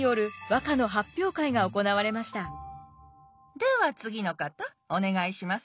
では次の方お願いします。